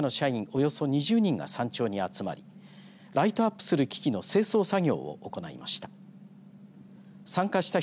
およそ２０人が山頂に集まりライトアップする機器の清掃作業を行いました。